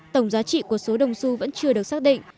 tổng giá trị của số đồng su vẫn chưa được xác định